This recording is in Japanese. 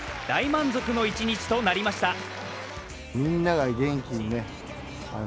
大満足の一日となりました。